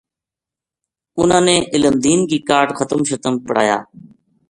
اُنھاں نے علم دین کی کاہڈ ختم شتم پڑھایا